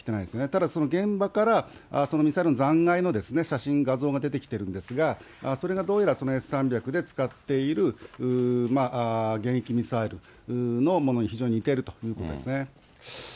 ただ、その現場からそのミサイルの残骸の写真、画像が出てきてるんですが、それがどうやらそのＳー３００で使っている、迎撃ミサイルのものに非常に似ているということですね。